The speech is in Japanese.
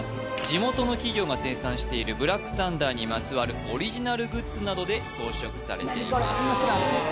地元の企業が生産しているブラックサンダーにまつわるオリジナルグッズなどで装飾されています